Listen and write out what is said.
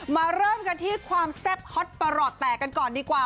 เริ่มกันที่ความแซ่บฮอตประหลอดแตกกันก่อนดีกว่า